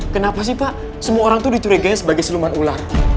kenapa sih pak semua orang itu dicurigai sebagai seluman ular